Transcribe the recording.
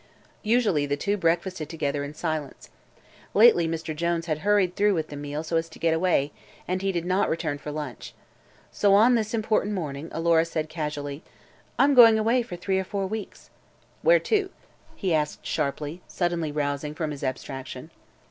Usually the two breakfasted together in silence. Lately Mr. Jones had hurried through with the meal so as to get away, and he did not return for lunch. So on this important morning Alora said casually: "I'm going away for three or four weeks." "Where to?" he asked sharply, suddenly rousing from his abstraction.